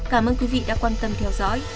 cảm ơn quý vị đã quan tâm theo dõi